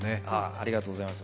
ありがとうございます。